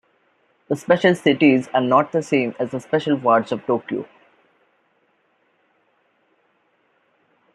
The special cities are not the same as the special wards of Tokyo.